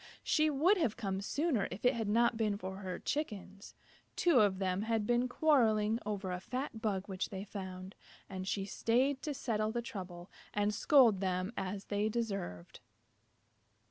She would have come sooner if it had not been for her Chickens. Two of them had been quarrelling over a fat bug which they found, and she stayed to settle the trouble and scold them as they deserved.